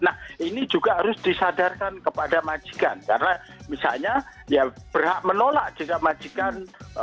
nah ini juga harus disadarkan kepada majikan karena misalnya ya berhak menolak jika majikan